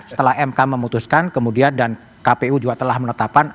setelah mk memutuskan kemudian dan kpu juga telah menetapkan